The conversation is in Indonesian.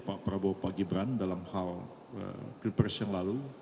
pak prabowo pak gibran dalam hal pilpres yang lalu